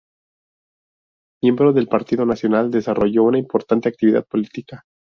Miembro del Partido Nacional, desarrolló una importante actividad política.